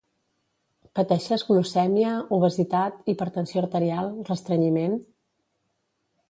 Pateixes glucèmia, obesitat, hipertensió arterial, restrenyiment?